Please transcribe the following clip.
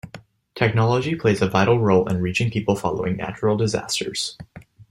Technology plays a vital role in reaching people following natural disasters.